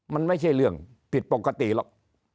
มันไม่ใช่เรื่องผิดปกติหรอก